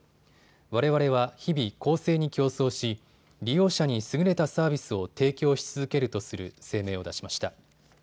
われわれは日々、公正に競争し利用者に優れたサービスを提供し続けるとする声明を出しました。